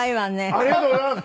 ありがとうございます。